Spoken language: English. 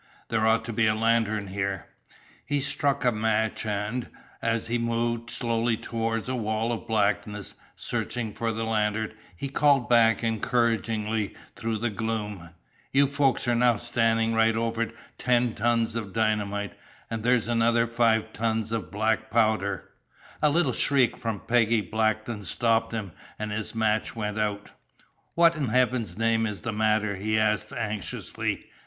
There ought to be a lantern here." He struck a match, and as he moved slowly toward a wall of blackness, searching for the lantern, he called back encouragingly through the gloom: "You folks are now standing right over ten tons of dynamite, and there's another five tons of black powder " A little shriek from Peggy Blackton stopped him, and his match went out. "What in heaven's name is the matter?" he asked anxiously.